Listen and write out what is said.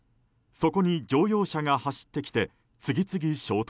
そこに乗用車が走ってきて次々、衝突。